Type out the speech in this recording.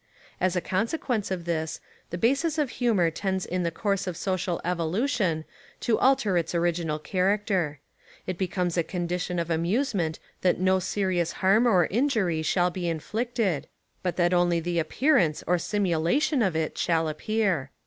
As a consequence of this, the basis of humour tends in the course of social evolution to alter its original character. It becomes a condition of amusement that no serious harm or Injury shall be Inflicted, but that only the appearance or simulation of It shall appear.